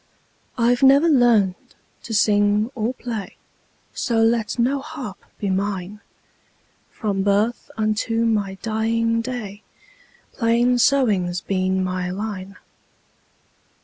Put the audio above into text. I 've never learned to sing or play, So let no harp be mine; From birth unto my dying day, Plain sewing 's been my line.